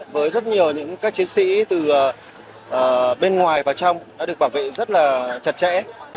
với rất nhiều những các chiến sĩ từ bên ngoài và trong đã được bảo vệ rất là chặt chẽ